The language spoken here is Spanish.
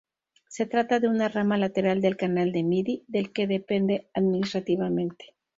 Se trata de una rama lateral del canal de Midi, del que depende administrativamente.